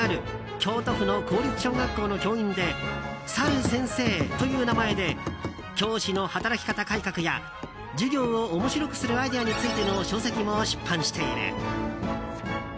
京都府の公立小学校の教員でさる先生という名前で教師の働き方改革や授業を面白くするアイデアについての書籍も出版している。